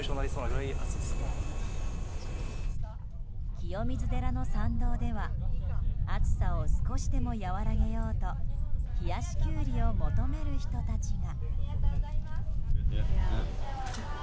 清水寺の参道では暑さを少しでも和らげようと冷やしキュウリを求める人たちが。